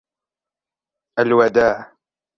الوداع.